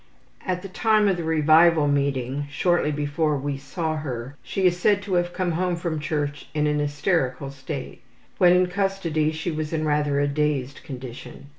At the time of the revival meeting, shortly before we saw her, she is said to have come home from church in an hysterical state. When in custody she was in rather a dazed condition.